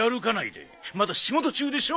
まだ仕事中でしょ？